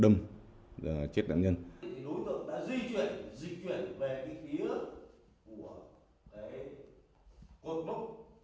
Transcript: đối tượng đã di chuyển di chuyển về cái ký ức của quân quốc